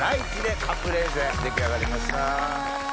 出来上がりました。